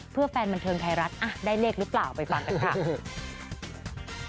เพื่อแฟนบันเทิงไทยรัฐได้เลขหรือเปล่าไปฟังกันค่ะ